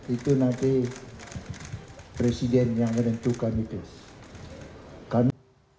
itu nanti presiden yang menentukan itu